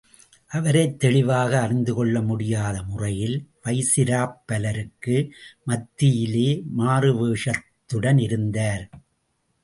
அவரைத் தெளிவாக அறிந்துகொள்ள முடியாத முறையில், வைசிராப் பலருக்கு மத்தியிலே மாறுவேஷத்துடன் இருந்தார்.